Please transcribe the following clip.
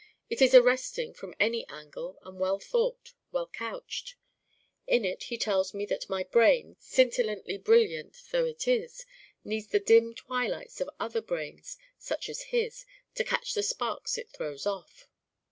It is arresting from any angle and well thought, well couched. In it he tells me that my brain, scintillantly brilliant though it is, needs the dim twilights of other brains such as his to catch the sparks it throws off.